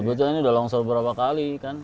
sebetulnya ini sudah longsor beberapa kali kan